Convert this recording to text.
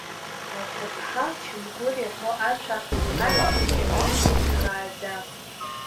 Аҭыԥҳа лчамгәыр иаҳәо ашәа, ашьхаҿ инаҩуеит ихааӡа.